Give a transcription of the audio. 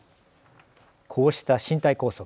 こうした身体拘束。